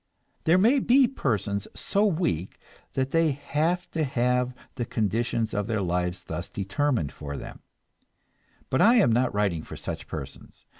There may be persons so weak that they have to have the conditions of their lives thus determined for them; but I am not writing for such persons.